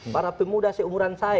para pemuda seumuran saya